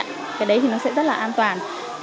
cái đấy thì nó sẽ rất là an toàn